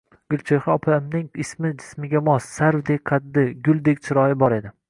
Gulchehra opamning ismi jismiga mos, sarvdek qaddi, guldek chiroyi bor edi